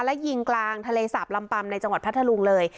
และยิงกลางทะเลสาบลำปัมในจังหวัดพัทธรุงเลย